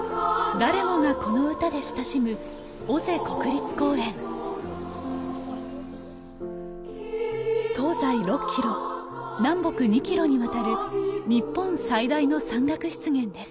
誰もがこの歌で親しむ東西６キロ南北２キロにわたる日本最大の山岳湿原です。